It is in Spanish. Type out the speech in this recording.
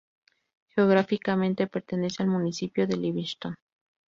Geográficamente pertenece al municipio de Livingston.